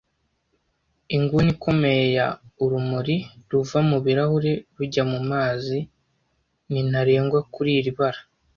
Inguni ikomeye ya urumuri ruva mubirahuri rujya mumazi ni ntarengwa kuri iri bara